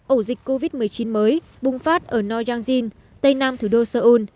ổ dịch covid một mươi chín mới bùng phát ở noryangjin tây nam thủ đô seoul